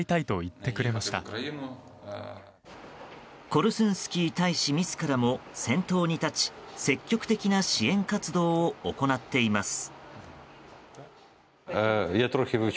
コルスンスキー大使自らも先頭に立ち積極的な支援活動を行っています。